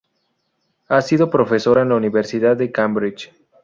Ha sido profesora en la Universidad de Cambridge.